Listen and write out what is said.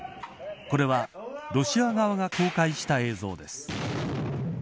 これはロシア側が公開した映像です。